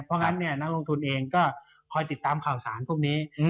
เพราะงั้นเนี่ยนักลงทุนเองก็คอยติดตามข่าวสารพวกนี้